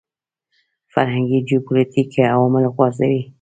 فرهنګي جیوپولیټیکي عوامل غورځوي.